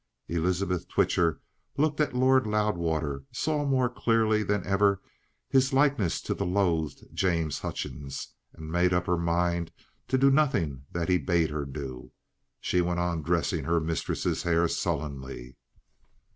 Elizabeth Twitcher looked at Lord Loudwater, saw more clearly than ever his likeness to the loathed James Hutchings, and made up her mind to do nothing that he bade her do. She went on dressing her mistress's hair sullenly.